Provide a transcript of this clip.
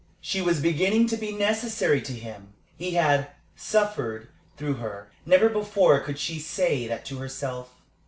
She was beginning to be necessary to him; he had suffered through her. Never before could she say that to herself.